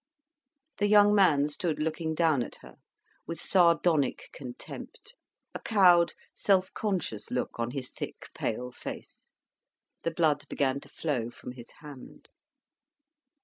The young man stood looking down at her with sardonic contempt, a cowed, self conscious look on his thick, pale face. The blood began to flow from his hand.